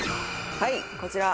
はいこちら。